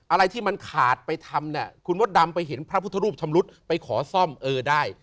อะไรที่มันขาดไปทำเนี่ยคุณมดดำไปเห็นพระพุทธรูปชำรุดไปขอซ่อมเออได้